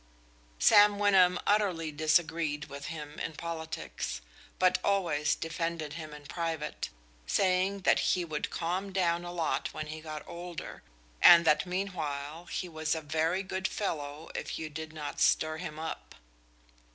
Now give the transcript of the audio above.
Sam Wyndham utterly disagreed with him in politics, but always defended him in private, saying that he would "calm down a lot when he got older," and that meanwhile he was "a very good fellow if you did not stir him up."